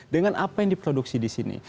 dengan apa yang diproduksi di sini